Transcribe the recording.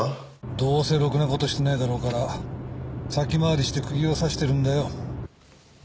どうせろくな事してないだろうから先回りして釘を刺してるんだよ。